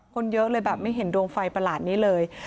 คนเยอะเลยแบบไม่เห็นดวงไฟประหลาดนี้เลย